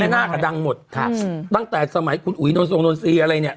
น่ากับดังหมดตั้งแต่สมัยคุณอุ๋ยโดนโซงโดนซีอะไรเนี่ย